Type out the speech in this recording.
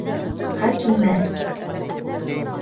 Хәкимә